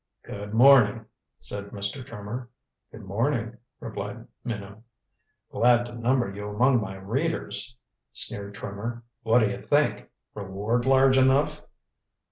"Good morning," said Mr. Trimmer. "Good morning," replied Minot. "Glad to number you among my readers," sneered Trimmer. "What do you think reward large enough?"